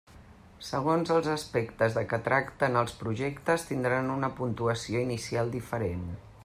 Segons els aspectes de què tracten els projectes, tindran una puntuació inicial diferent.